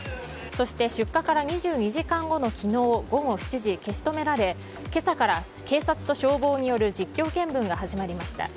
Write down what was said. そして出火から２２時間後の昨日午後７時、消し止められ今朝から警察と消防による実況見分が始まりました。